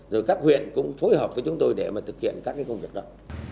rồi các huyện cũng phối hợp với chúng tôi để thực hiện các công việc đó